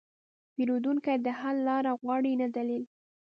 پیرودونکی د حل لاره غواړي، نه دلیل.